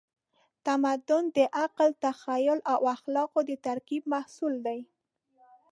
تمدن د عقل، تخیل او اخلاقو د ترکیب محصول دی.